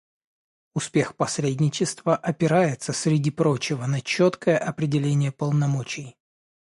Успех посредничества опирается, среди прочего, на четкое определение полномочий.